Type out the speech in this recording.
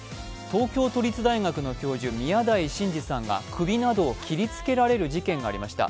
東京都立大学の教授、宮台真司さんが首などを切りつけられる事件がありました。